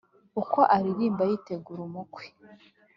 Uko arimba yitegur' umukwe;